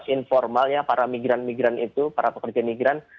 informalnya para migran migran itu para pekerja migran